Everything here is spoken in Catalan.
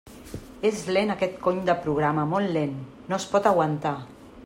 És lent aquest cony de programa, molt lent, no es pot aguantar!